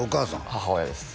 母親です